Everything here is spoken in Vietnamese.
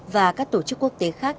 và các tổ chức quốc tế khác